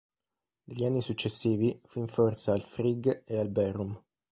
Negli anni successivi, fu in forza al Frigg e al Bærum.